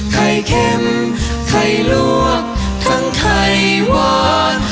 ไข่เค็มไข่ลวกทั้งไข่หวาน